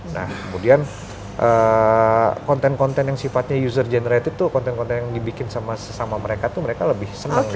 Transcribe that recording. nah kemudian konten konten yang sifatnya user generated tuh konten konten yang dibikin sama sesama mereka tuh mereka lebih senang